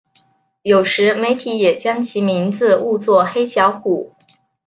有时媒体也将其名字误作黑小虎。